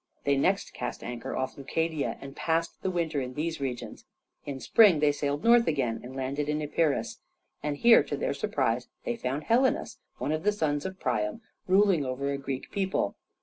They next cast anchor off Leucadia, and passed the winter in these regions. In spring they sailed north again, and landed in Epirus, and here to their surprise they found Helenus, one of the sons of Priam, ruling over a Greek people.